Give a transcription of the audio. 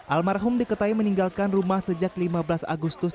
almarhum diketahui meninggalkan rumah sejak lima belas agustus